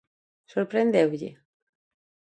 Sorprendeulle?